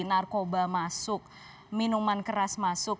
narkoba masuk minuman keras masuk